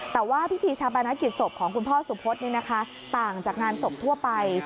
แต่ว่าพิธีชาปนกิจศพของคุณพ่อสุพธต่างจากงานศพทั่วไป